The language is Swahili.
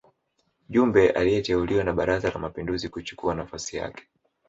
Jumbe aliteuliwa na Baraza la Mapinduzi kuchukua nafasi yake